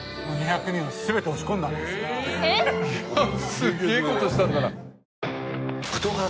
すげえ事したんだな。